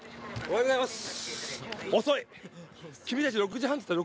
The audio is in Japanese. おはようございます。